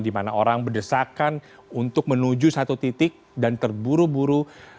di mana orang berdesakan untuk menuju satu titik dan terburu buru